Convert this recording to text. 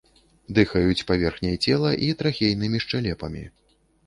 Дыхаюць паверхняй цела і трахейнымі шчэлепамі.